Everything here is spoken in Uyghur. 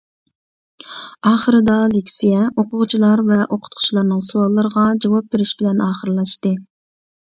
ئاخىردا لېكسىيە ئوقۇغۇچىلار ۋە ئوقۇتقۇچىلارنىڭ سوئاللىرىغا جاۋاب بېرىش بىلەن ئاخىرلاشتى.